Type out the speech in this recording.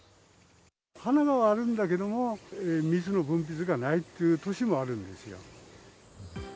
花はあるんだけども、密の分泌がないという年もあるんですよ。